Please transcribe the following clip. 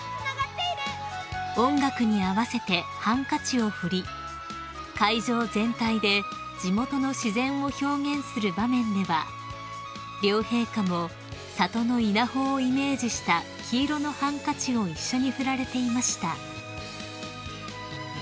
［音楽に合わせてハンカチを振り会場全体で地元の自然を表現する場面では両陛下も里の稲穂をイメージした黄色のハンカチを一緒に振られていました］